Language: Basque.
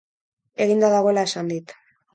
Eginda dagoela esan dit.